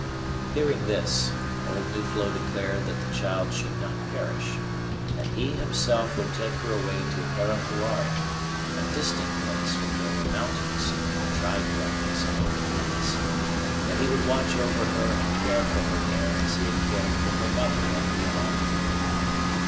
Hearing this, old Nuflo declared that the child should not perish; that he himself would take her away to Parahuari, a distant place where there were mountains and dry plains and open woods; that he would watch over her and care for her there as he had cared for her mother at Riolama.